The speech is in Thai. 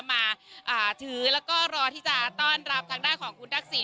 มาถือแล้วก็รอที่จะต้อนรับทางด้านของคุณทักษิณ